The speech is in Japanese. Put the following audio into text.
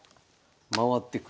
回ってくる。